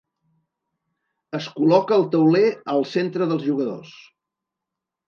Es col·loca el tauler al centre dels jugadors.